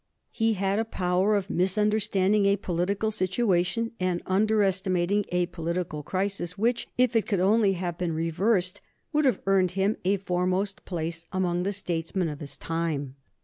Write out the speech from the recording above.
He had a power of misunderstanding a political situation and underestimating a political crisis which, if it could only have been reversed, would have earned him a foremost place among the statesmen of his time.